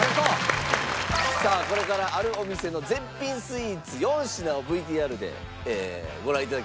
さあこれからあるお店の絶品スイーツ４品をＶＴＲでご覧頂きます。